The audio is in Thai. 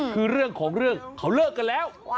คือเรื่องของเรื่องเขาเลิกกันแล้ว